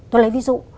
tôi lấy ví dụ